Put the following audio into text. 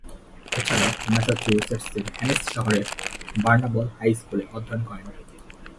এছাড়াও, ম্যাসাচুসেটসের হ্যানিস শহরের বার্নাবল হাই স্কুলে অধ্যয়ন করেন।